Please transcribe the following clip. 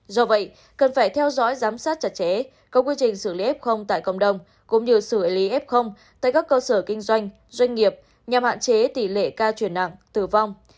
do vậy cần phải theo dõi giám sát chặt chẽ có quy trình xử lý f tại cộng đồng cũng như xử lý f tại các cơ sở kinh doanh doanh nghiệp nhằm hạn chế tỷ lệ ca chuyển nặng tử vong